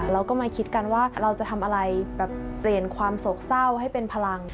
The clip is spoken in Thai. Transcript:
เราก็มาคิดกันว่าเราจะทำอะไรแบบเปลี่ยนความโศกเศร้าให้เป็นพลัง